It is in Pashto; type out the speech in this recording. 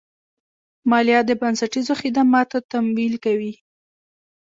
مالیه د بنسټیزو خدماتو تمویل کوي.